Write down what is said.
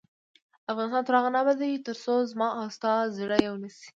افغانستان تر هغو نه ابادیږي، ترڅو زما او ستا زړه یو نشي.